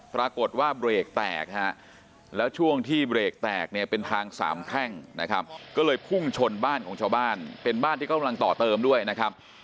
ปรากฏว่าเบรกแตกฮะแล้วช่วงที่เบรกแตกเนี่ยเป็นทางสามแพร่งนะครับก็เลยพุ่งชนบ้านของชาวบ้านเป็นบ้านที่เขากำลังต่อเติมด้วยนะครับ